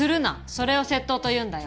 それを窃盗というんだよ。